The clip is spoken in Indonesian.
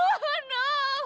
makasih ya dia